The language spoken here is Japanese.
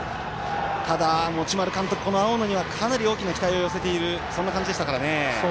ただ、持丸監督は、青野にかなり大きな期待を寄せている感じもありましたからね。